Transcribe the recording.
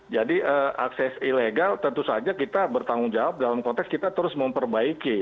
jadi akses ilegal tentu saja kita bertanggung jawab dalam konteks kita terus memperbaiki